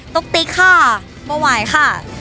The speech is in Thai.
ตุ๊กติ๊กค่ะเบาไหวค่ะ